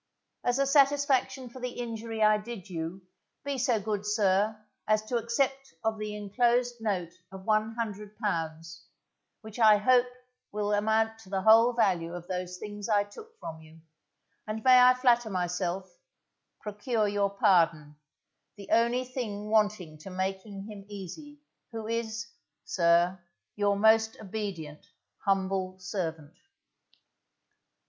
As a satisfaction for the injury I did you, be so good, sir, as to accept of the enclosed note of one hundred pounds, which I hope will amount to the whole value of those things I took from you, and may I flatter myself, procure your pardon, the only thing wanting to making him easy, who is, Sir, Your most obedient Humble Servant.